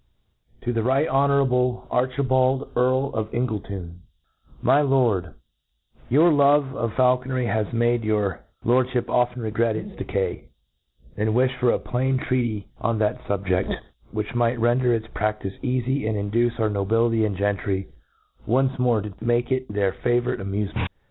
Ta To the Right Honourable A R C H I B A L n Earl of E G L I N T O U N £• My Lord^ YOUR love of Faulconry has made your Lord fliip often regret its decay, and wifli for a plain trea tife on thatfubjeft, which might render its practice eafy^ and induce our nobility and gentry once more to make it their favourite amuferiient.